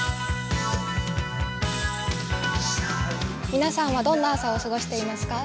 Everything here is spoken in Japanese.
皆さんはどんな朝を過ごしていますか。